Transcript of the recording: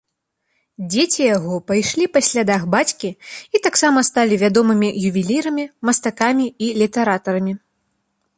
Дзеці яго пайшлі па слядах бацькі і таксама сталі вядомымі ювелірамі, мастакамі і літаратарамі.